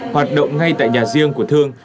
hoạt động ngay tại nhà riêng của thương